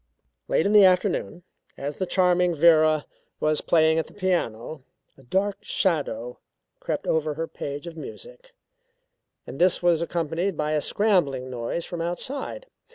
Late in the afternoon, as the charming Vera was playing at the piano, a dark shadow crept over her page of music, and this was accompanied by a scrambling noise from outside.